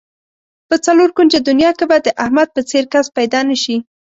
په څلور کونجه دنیا کې به د احمد په څېر کس پیدا نشي.